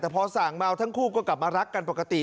แต่พอสั่งเมาทั้งคู่ก็กลับมารักกันปกติ